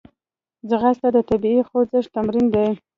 ځغاسته د طبیعي خوځښت تمرین دی